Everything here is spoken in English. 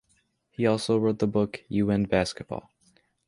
He also wrote the book "You and Basketball".